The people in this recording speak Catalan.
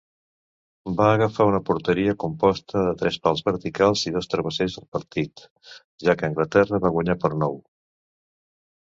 Va agafar un porteria composta de tres pals verticals i dos travessers al partit, ja que Anglaterra va guanyar per nou.